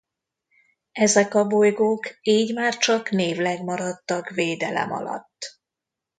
Ezek a bolygók így már csak névleg maradtak védelem alatt.